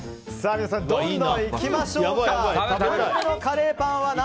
皆さん、どんどんいきましょう。